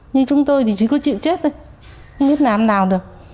như chúng tôi thì chỉ có chịu chết thôi không biết làm nào được